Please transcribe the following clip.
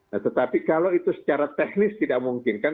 nah tetapi kalau itu secara teknis tidak mungkin kan